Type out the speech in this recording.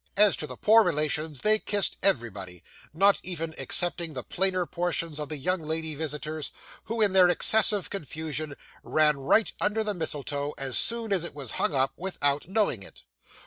As to the poor relations, they kissed everybody, not even excepting the plainer portions of the young lady visitors, who, in their excessive confusion, ran right under the mistletoe, as soon as it was hung up, without knowing it!